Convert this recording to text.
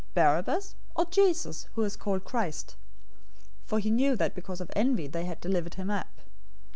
Barabbas, or Jesus, who is called Christ?" 027:018 For he knew that because of envy they had delivered him up.